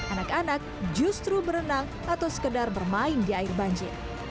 anak anak justru berenang atau sekedar bermain di air banjir